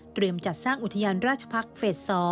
จัดสร้างอุทยานราชพักษ์เฟส๒